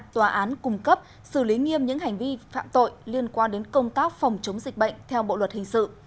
tòa án cung cấp xử lý nghiêm những hành vi phạm tội liên quan đến công tác phòng chống dịch bệnh theo bộ luật hình sự